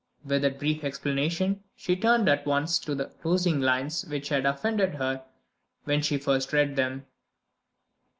With that brief explanation she turned at once to the closing lines which had offended her when she first read them.